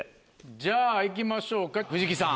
じゃあ行きましょうか藤木さん。